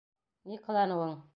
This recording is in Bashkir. Ни ҡыланыуың?